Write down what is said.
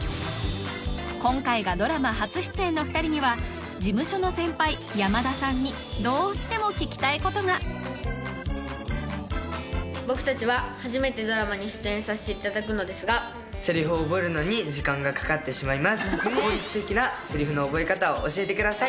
今回がドラマ初出演の二人には事務所の先輩山田さんにどうしても聞きたいことが僕たちは初めてドラマに出演させていただくのですがセリフを覚えるのに時間がかかってしまいます効率的なセリフの覚え方を教えてください